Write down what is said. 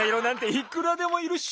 いくらでもいるっしょ！